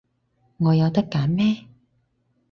我有得揀咩？